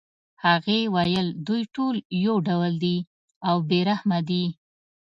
هغې ویل دوی ټول یو ډول دي او بې رحمه دي